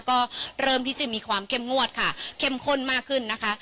ก็เริ่มที่จะมีความเข้มงวดค่ะเข้มข้นมากขึ้นนะคะ